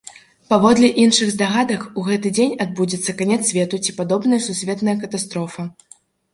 Паводле іншых здагадак, у гэты дзень адбудзецца канец свету ці падобная сусветная катастрофа.